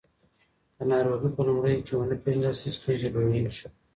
که ناروغي په لومړیو کې ونه پیژندل شي، ستونزې لویېږي.